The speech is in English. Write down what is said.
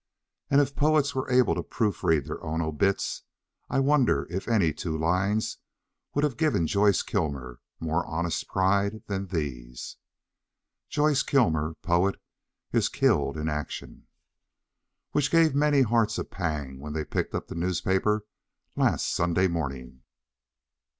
And if poets were able to proofread their own obits, I wonder if any two lines would have given Joyce Kilmer more honest pride than these: JOYCE KILMER, POET, IS KILLED IN ACTION which gave many hearts a pang when they picked up the newspaper last Sunday morning.